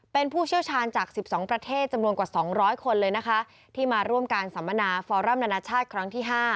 เป็นผู้เชี่ยวชาญจาก๑๒ประเทศจำนวนกว่า๒๐๐คนเลยนะคะที่มาร่วมการสัมมนาฟอรัมนานาชาติครั้งที่๕